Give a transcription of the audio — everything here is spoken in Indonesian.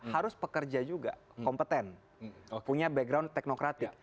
harus pekerja juga kompeten punya background teknokratik